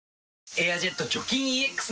「エアジェット除菌ＥＸ」